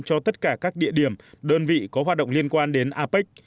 cho tất cả các địa điểm đơn vị có hoạt động liên quan đến apec